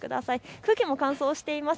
空気も乾燥しています。